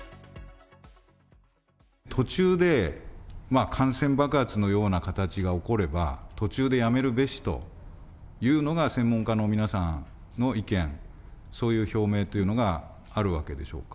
途中で、感染爆発のような形が起これば、途中でやめるべしというのが、専門家の皆さんの意見、そういう表明というのがあるわけでしょうか。